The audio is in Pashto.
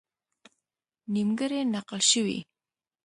نیمګړې نقل شوې.